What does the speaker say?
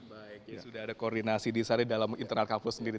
baik ya sudah ada koordinasi di sana dalam internal kampus sendiri